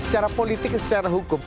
secara politik secara hukum